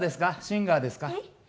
シンガーですか？